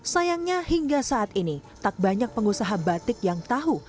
sayangnya hingga saat ini tak banyak pengusaha batik yang tahu